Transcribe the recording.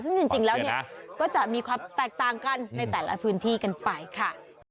ซึ่งจริงแล้วเนี่ยก็จะมีความแตกต่างกันในแต่ละพื้นที่กันไปค่ะ